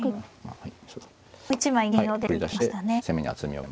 はい。